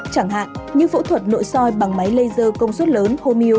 chẳng hạn như phẫu thuật nội soi bằng máy laser công suất lớn homeo